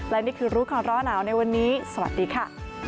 และนี่คือรู้ก่อนร้อนหนาวในวันนี้สวัสดีค่ะ